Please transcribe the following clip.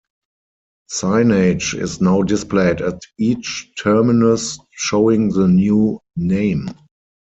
Signage is now displayed at each terminus showing the new name.